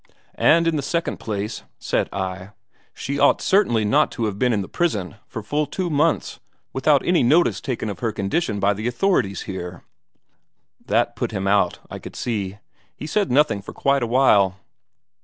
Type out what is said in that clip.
'And in the second place,' said I, 'she ought certainly not to have been in the prison for full two months without any notice taken of her condition by the authorities here.' That put him out, I could see; he said nothing for quite a while.